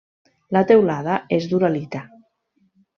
La teulada és d'uralita.